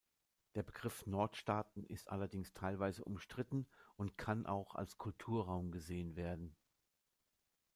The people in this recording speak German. Der Begriff „Nordstaaten“ ist allerdings teilweise umstritten und kann auch als Kulturraum gesehen werden.